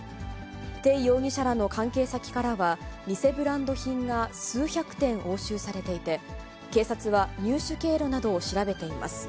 テイ容疑者らの関係先からは、偽ブランド品が数百点押収されていて、警察は、入手経路などを調べています。